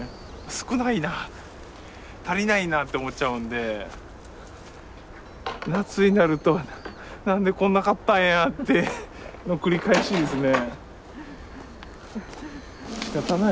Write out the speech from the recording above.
少ないな足りないなって思っちゃうんで夏になると何でこんな買ったんやっての繰り返しですね。